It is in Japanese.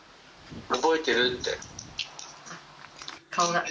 覚えてる？って。